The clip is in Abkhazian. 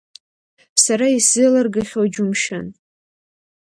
Сара исзеилыргахьоу џьумшьан…